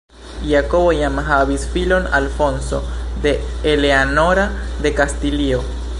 Jakobo jam havis filon Alfonso de Eleanora de Kastilio.